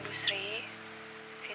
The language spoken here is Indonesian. aduh kok kecebsin